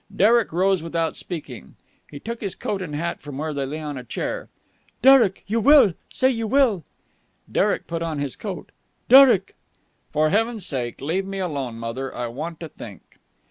Derek rose without speaking. He took his coat and hat from where they lay on a chair. "Derek! You will! Say you will!" Derek put on his coat. "Derek!" "For heaven's sake, leave me alone, mother. I want to think."